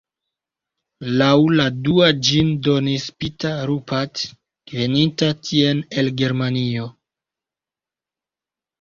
Laŭ la dua ĝin donis "Peter Rupert" veninta tien el Germanio.